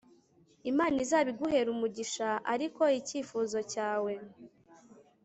Imana izabiguhere umugisha ariko icyifuzo cyawe